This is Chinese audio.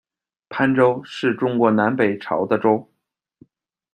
潘州，是中国南北朝的州。